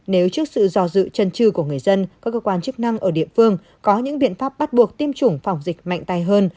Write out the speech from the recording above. nếu trước sự dò dự chân trừ của người dân các cơ quan chức năng ở địa phương có những biện pháp bắt buộc tiêm chủng phòng dịch mạnh tay hơn